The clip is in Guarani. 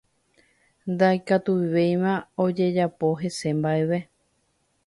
Ndaikatuvéima ojejapo hese mbaʼeve.